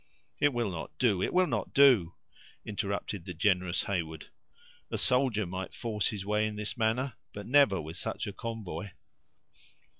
"It will not do—it will not do!" interrupted the generous Heyward; "a soldier might force his way in this manner, but never with such a convoy."